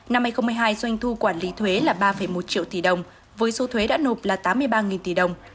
năm hai nghìn một mươi hai doanh thu quản lý thuế là ba một triệu tỷ đồng với số thuế đã nộp là tám mươi ba tỷ đồng